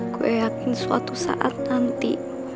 gue yakin suatu saat nanti